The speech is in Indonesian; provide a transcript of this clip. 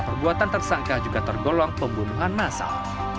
perbuatan tersangka juga tergolong pembunuhan masal